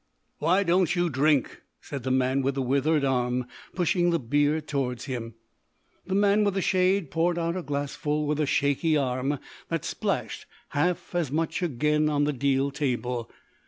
"Why don't you drink?" said the man with the withered arm, pushing the beer towards him. The man with the shade poured out a glassful with a shaky arm that splashed half as much again on the deal table.